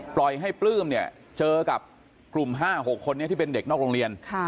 ปล่อยให้ปลื้มเนี่ยเจอกับกลุ่ม๕๖คนนี้ที่เป็นเด็กนอกโรงเรียน